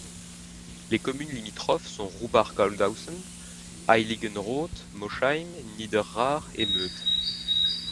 Les communes limitrophes sont Ruppach-Goldhausen, Heiligenroth, Moschheim, Niederahr et Meudt.